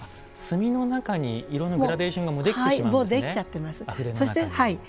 墨の中に色のグラデーションがもうできてしまうんですね。